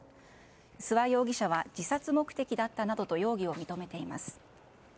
諏訪容疑者は自殺目的だったなどと容疑を認めています。